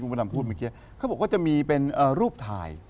เค้าบอกว่าก็จะมีคำชะโนตรูบทาย